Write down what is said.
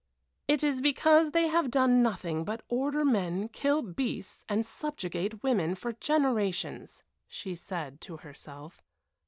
"It is because they have done nothing but order men, kill beasts, and subjugate women for generations," she said to herself.